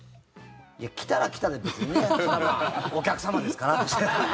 いや、来たら来たでお客様ですから。